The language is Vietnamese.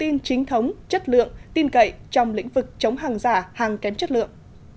hãy đăng ký kênh để nhận thông tin chính thống chất lượng tin cậy trong lĩnh vực chống hàng giả hàng kém chất lượng